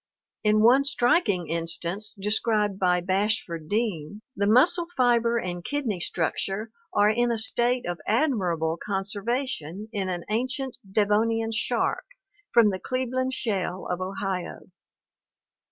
In one striking instance described by Bashford Dean the muscle fiber and kidney structure are in a state of admirable con servation in an ancient Devonian shark (Cla doselacke) from the Cleveland shale of Ohio.